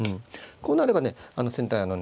こうなればね先手のね